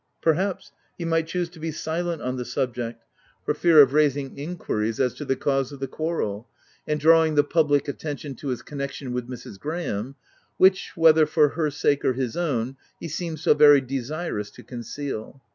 Perhaps, he might choose to be silent on the subject, for fear of raising enquiries as to the cause of the quarrel, and drawing the public attention to his connection with Mrs. Graham, which, whether for her sake or his own, he seemed so very desirous to conceal.